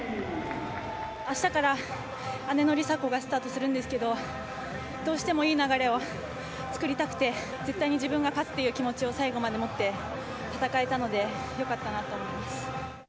あしたから、姉の梨紗子がスタートするんですけど、どうしてもいい流れを作りたくて、絶対に自分が勝つっていう気持ちを最後まで持って、戦えたのでよかったなと思います。